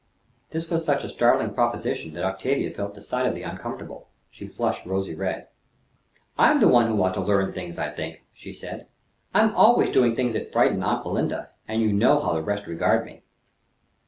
This was such a startling proposition that Octavia felt decidedly uncomfortable. She flushed rosy red. "I'm the one who ought to learn things, I think," she said. "I'm always doing things that frighten aunt Belinda, and you know how the rest regard me."